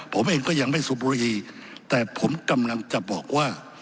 ผมเองก็ยังไม่สูบบุรีแต่ผมกำลังจะบอกว่า